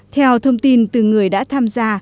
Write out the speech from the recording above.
theo thông tin từ người đàn ông